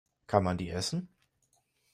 Kann man die essen?